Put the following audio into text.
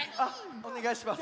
おねがいします。